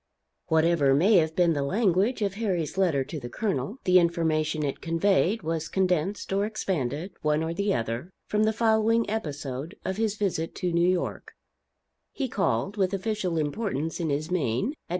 Whatever may have been the language of Harry's letter to the Colonel, the information it conveyed was condensed or expanded, one or the other, from the following episode of his visit to New York: He called, with official importance in his mien, at No.